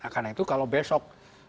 karena itu kalau besok